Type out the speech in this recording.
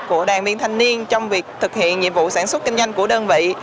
của đoàn viên thanh niên trong việc thực hiện nhiệm vụ sản xuất kinh doanh của đơn vị